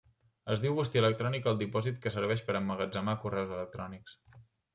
Es diu bústia electrònica al dipòsit que serveix per emmagatzemar correus electrònics.